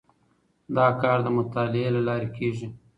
دا کار د مطالعې له لارې کیږي.